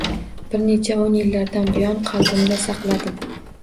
Bir necha o‘n yillardan buyon qalbimda saqladim.